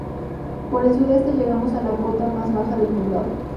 Por el sudoeste llegamos a la cota más baja del poblado.